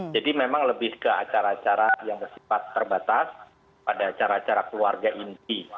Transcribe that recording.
jadi memang lebih ke acara acara yang bersifat terbatas pada acara acara keluarga indi